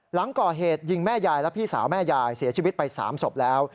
หลังก่อเหตุยิงแม่ยายและพี่สาวแม่ยายเสียชีวิตไป๓ศพแล้ว